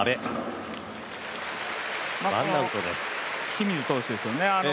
清水投手ですよね。